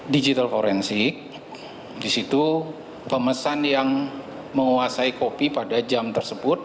digital forensic disitu pemesan yang menguasai kopi pada jam tersebut